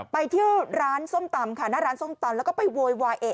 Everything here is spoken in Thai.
ไปที่ร้านส้มตำค่ะณร้านส้มตำแล้วก็ไปโวยวาย